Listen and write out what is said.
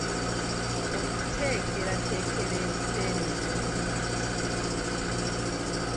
Okuteekerateekera ebiseera eby’omu maaso.